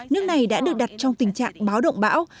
nước này đã được đặt trong tình trạng báo động bão